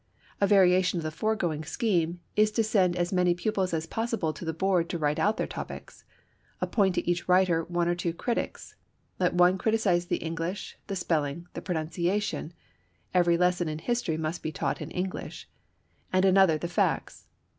A variation of the foregoing scheme is to send as many pupils as possible to the board to write out their topics. Appoint to each writer one or two critics. Let one criticize the English, the spelling, the punctuation (every lesson in history may be a lesson in English); and another the facts.